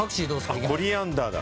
コリアンダーだ！